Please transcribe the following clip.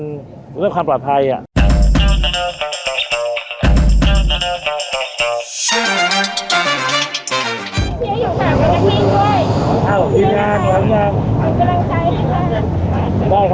เป็นเรื่องความปลอดภัยอ่ะ